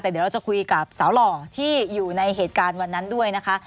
แต่เดี๋ยวเราจะคุยกับสาวหล่อที่อยู่ในเหตุการณ์วันนั้นด้วยนะคะ